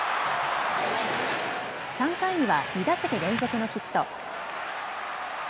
３回には２打席連続のヒット。